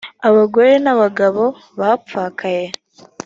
abagore n abagabo bapfakaye